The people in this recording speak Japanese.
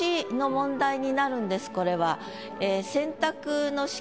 これは。